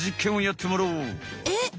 えっ？